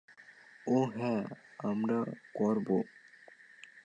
ওহ, হ্যাঁ, আমরা করব।